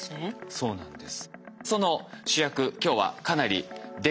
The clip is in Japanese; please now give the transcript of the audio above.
そうなんです。